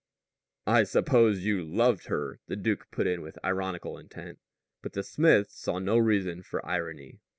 "I suppose you loved her," the duke put in with ironical intent. But the smith saw no reason for irony.